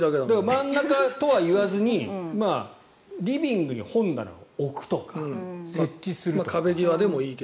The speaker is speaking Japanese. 真ん中とは言わずにリビングに本棚を置くとか設置するとか。